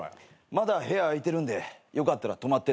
まだ部屋空いてるんでよかったら泊まってってください。